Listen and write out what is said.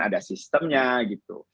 ada sistemnya gitu